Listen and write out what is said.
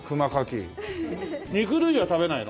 肉類は食べないの？